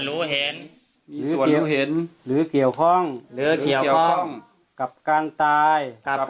หรือเกี่ยวข้องกับการตาย